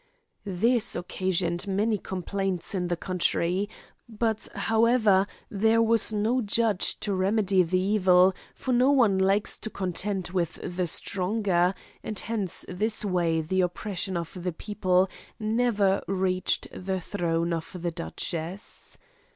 This occasioned many complaints in the country; but, however, there was no judge to remedy the evil, for no one likes to contend with the stronger, and hence this way the oppression of the people never reached the throne of the duchess.